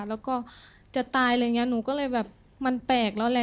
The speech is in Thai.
แล้วก็จะตายอะไรอย่างนี้หนูก็เลยแบบมันแปลกแล้วแหละ